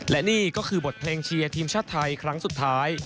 และนี่ก็คือบทเพลงเชียร์ทีมชาติไทยครั้งสุดท้าย